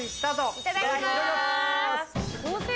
いただきます！